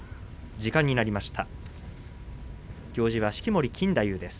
時間になりました。